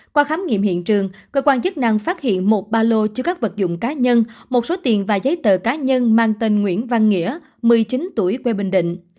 qua khám nghiệm hiện trường cơ quan chức năng phát hiện một ba lô chứa các vật dụng cá nhân một số tiền và giấy tờ cá nhân mang tên nguyễn văn nghĩa một mươi chín tuổi quê bình định